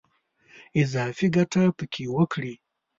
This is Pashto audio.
اضافي ګټه په کې وکړي.